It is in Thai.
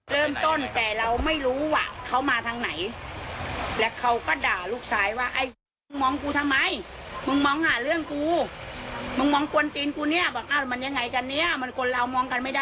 เริ่มต้นแก่เราไม่รู้ว่าเขามาทางไหน